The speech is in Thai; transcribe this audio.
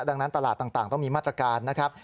ดังนั้นตลาดต่างต้องมีมาตรการนะครับ